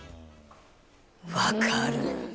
分かる！